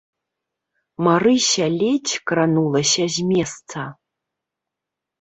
Марыся ледзь кранулася з месца.